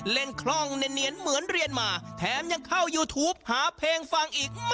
คล่องเนียนเหมือนเรียนมาแถมยังเข้ายูทูปหาเพลงฟังอีก